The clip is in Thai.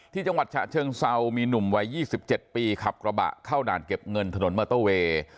จังหวัดฉะเชิงเซามีหนุ่มวัย๒๗ปีขับกระบะเข้าด่านเก็บเงินถนนมอเตอร์เวย์